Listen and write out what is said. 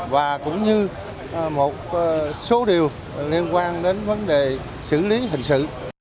và cũng như một số điều liên quan đến vấn đề xử lý hình sự